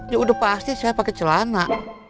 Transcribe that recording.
ya udah pasti saya pakai celana